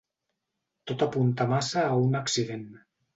Tot apunta massa a un accident.